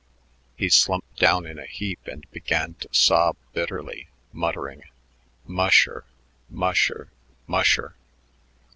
He slumped down in a heap and began to sob bitterly, muttering, "Musher, musher, musher."